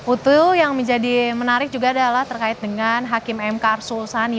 itu yang menjadi menarik juga adalah terkait dengan hakim mk arsul sani